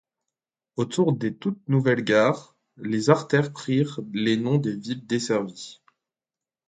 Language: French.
Autour des toutes nouvelles gares, les artères prirent les noms des villes desservies.